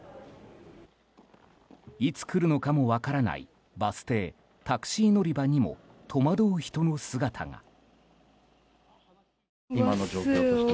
いつ来るのかも分からないバス停、タクシー乗り場にも戸惑う人の姿が。